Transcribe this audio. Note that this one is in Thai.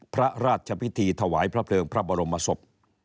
พระราชพิธีถวายพระเพลิงพระบรมศพ